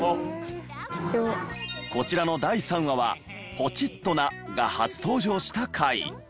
こちらの第３話は「ポチッとな！」が初登場した回。